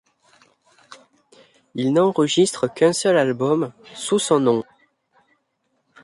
Il n'enregistre qu'un seul album sous son nom.